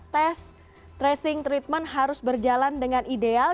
tes tracing treatment harus berjalan dengan ideal